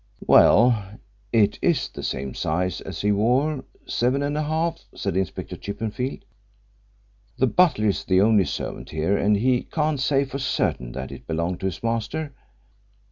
"Well, it is the same size as he wore seven and a half," said Inspector Chippenfield. "The butler is the only servant here and he can't say for certain that it belonged to his master.